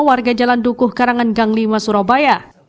warga jalan dukuh karangan gang lima surabaya